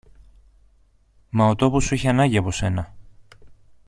Μα ο τόπος σου έχει ανάγκη από σένα.